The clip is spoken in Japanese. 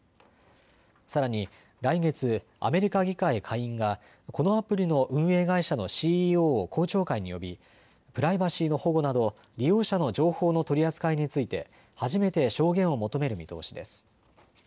さらに来月、アメリカ議会下院がこのアプリの運営会社のＣＥＯを公聴会に呼びプライバシーの保護など利用者の情報の取り扱いについて初めて証言を求める見通しです。